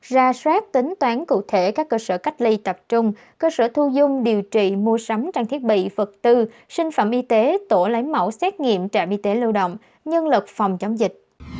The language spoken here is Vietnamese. ra soát tính toán cụ thể các cơ sở cách ly tập trung cơ sở thu dung điều trị mua sắm trang thiết bị vật tư sinh phẩm y tế tổ lấy mẫu xét nghiệm trạm y tế lưu động nhân lực phòng chống dịch